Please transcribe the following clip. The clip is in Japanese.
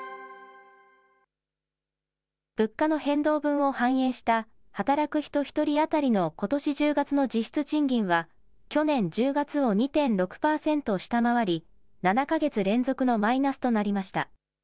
物価の変動分を反映した働く人１人当たりのことし１０月の実質賃金は、去年１０月を２．６％下回り、７か月連続のマイナスとなりました。